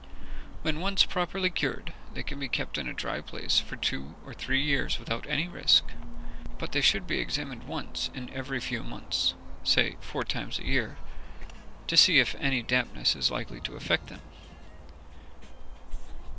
When once properly cured, they can be kept in a dry place for two or three years without any risk; but they should be examined once in every few months, say four times a year, to see if any dampness is likely to affect them.